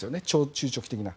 中長期的な。